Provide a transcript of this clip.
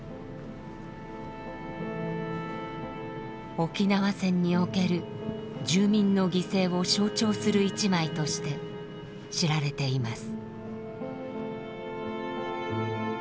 沖縄戦における住民の犠牲を象徴する一枚として知られています。